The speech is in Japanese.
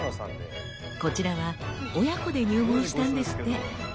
こちらは親子で入門したんですって！